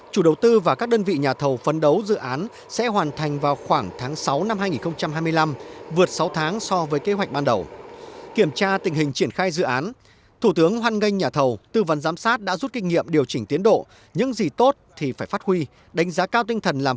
chủ đầu tư và các đơn vị nhà thầu phân đấu dự án sẽ hoàn thành vào khoảng tháng sáu năm hai nghìn hai mươi năm